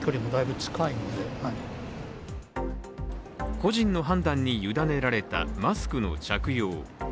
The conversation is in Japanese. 個人の判断に委ねられた、マスクの着用。